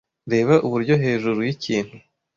Reba uburyo, hejuru yikintu,